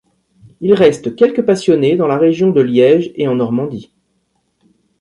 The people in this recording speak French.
Il reste quelques passionnés dans la région de Liège et en Normandie.